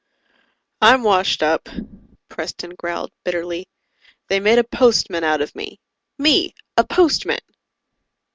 _ "I'm washed up," Preston growled bitterly. "They made a postman out of me. Me a postman!"